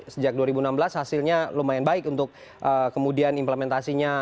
sejak dua ribu enam belas hasilnya lumayan baik untuk kemudian implementasinya